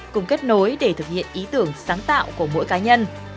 cùng kết nối để thực hiện ý tưởng sáng tạo của mỗi cá nhân